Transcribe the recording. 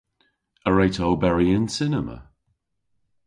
A wre'ta oberi yn cinema?